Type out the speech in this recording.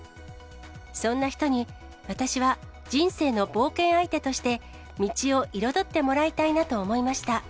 そんな人に私は人生の冒険相手として道を彩ってもらいたいなと思